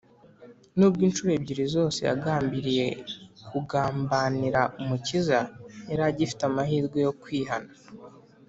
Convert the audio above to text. nubwo incuro ebyiri zose yagambiriye kugambanira umukiza, yari agifite amahirwe yo kwihana